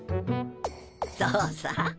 そうさ。